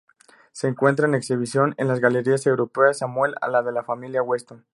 Se encuentra en exhibición en las Galerías europeas Samuel, ala de la familia Weston.